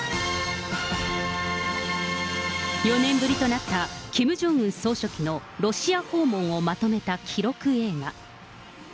４年ぶりとなったキム・ジョンウン総書記のロシア訪問をまとめた記録映画。